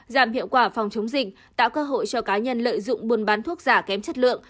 giảm hiệu quả phòng chống dịch tạo cơ hội cho cá nhân lợi dụng buôn bán thuốc giả kém chất lượng